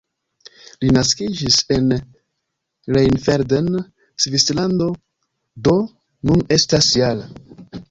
Li naskiĝis en Rheinfelden, Svislando, do nun estas -jara.